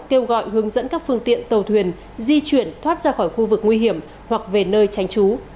kêu gọi hướng dẫn các phương tiện tàu thuyền di chuyển thoát ra khỏi khu vực nguy hiểm hoặc về nơi tránh trú